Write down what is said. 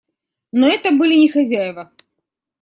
Но это были не хозяева.